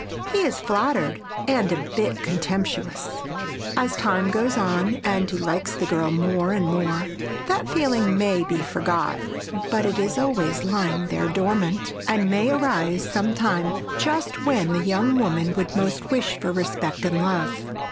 He is flattered, and a bit contemptuous. As time goes on and he likes the girl more and more, that feeling may be forgot, but it is always lying there dormant, and may arise sometime just when the young woman would most wish for respect and love.